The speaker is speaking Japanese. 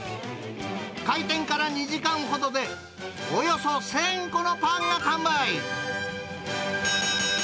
開店から２時間ほどで、およそ１０００個のパンが完売。